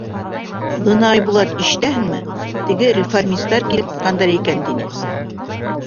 — Бына, Айбулат, ишетәһеңме, теге реформистар килеп сыҡҡандар икән, — тине.